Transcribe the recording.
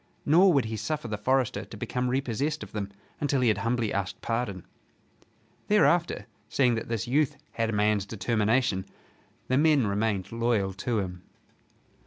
Nor would he suffer the forester to become repossessed of them until he had humbly asked pardon. Thereafter, seeing that this youth had a man's determination, the men remained loyal to him.